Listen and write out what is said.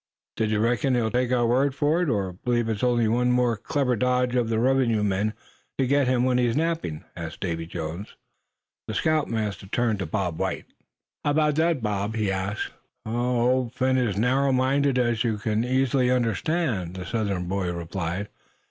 "D'ye reckon he'll take our word for it; or believe it's only one more clever dodge of the revenue men to get him when he's napping?" asked Davy Jones. The scoutmaster turned to Bob White. "How about that, Bob?" he asked. "Old Phin is narrow minded, as you can easily understand," the Southern boy replied.